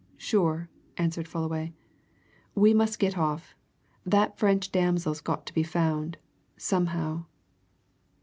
"Sure!" answered Fullaway. "We must get off. That French damsel's got to be found somehow."